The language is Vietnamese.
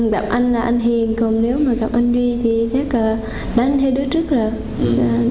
đặng anh là anh hiền còn nếu mà đặng anh duy thì chắc là đánh hai đứa trước rồi